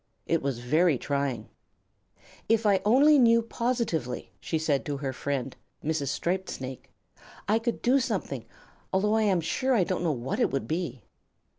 It was very trying. "If I only knew positively," she said to her friend, Mrs. Striped Snake, "I could do something, although I am sure I don't know what it would be."